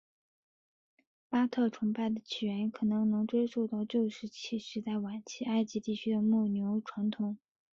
巴特崇拜的起源可能能追溯到旧石器时代晚期埃及地区的牧牛传统。